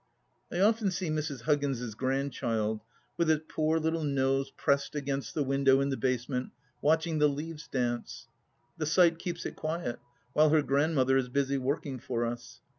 I often see Mrs. Huggins' grandchild, with its poor little nose pressed against the window in the basement, watching the leaves dance. The sight keeps it quiet, while her grand mother is busy working for us.